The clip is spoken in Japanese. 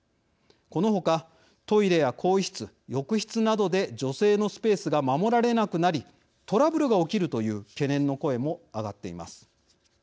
この他トイレや更衣室、浴室などで女性のスペースが守られなくなりトラブルが起きるという懸念の声も上がっています。